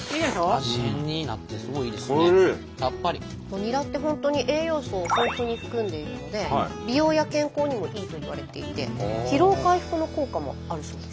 ニラって本当に栄養素を豊富に含んでいるので美容や健康にもいいといわれていて疲労回復の効果もあるそうです。